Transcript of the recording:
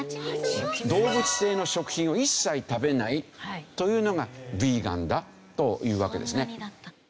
動物性の食品を一切食べないというのがヴィーガンだというわけですね。